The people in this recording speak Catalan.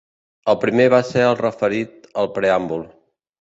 El primer va ser el referit al preàmbul.